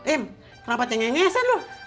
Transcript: em kenapa cengengesan loh